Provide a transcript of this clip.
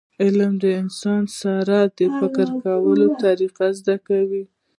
علم د انسان سره د فکر کولو طریقه زده کوي.